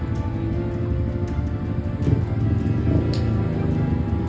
สวัสดีครับคุณผู้ชาย